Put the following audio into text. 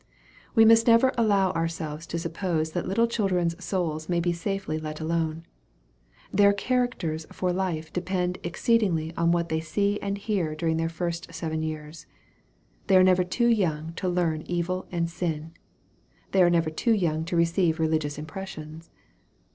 We must never allow ourselves to suppose that little children's souls may be safely let alone. Their charac ters for life depend exceedingly on what they see and hear during their first seven years. They are never too young to learn evil and sin. They are never too young to receive religious impressions.